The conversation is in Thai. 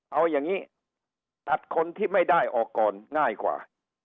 เอาอย่างนี้ตัดคนที่ไม่ได้ออกก่อนง่ายกว่า